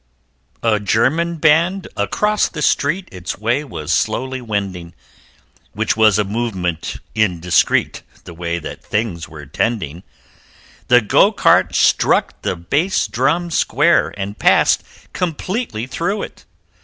A German Band across the street Its way was slowly wending, Which was a movement indiscreet, The way that things were tending The Go cart struck the bass drum square, And passed completely through it.